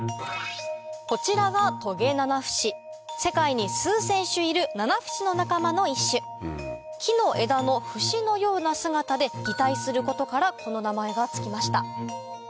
こちらが世界に数千種いるナナフシの仲間の一種木の枝の節のような姿で擬態することからこの名前が付きました